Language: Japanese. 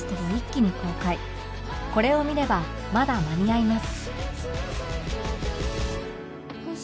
これを見ればまだ間に合います